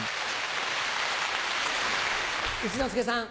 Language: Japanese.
一之輔さん。